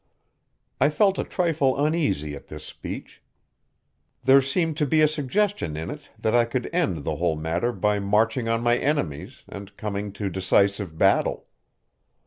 I felt a trifle uneasy at this speech. There seemed to be a suggestion in it that I could end the whole matter by marching on my enemies, and coming to decisive battle.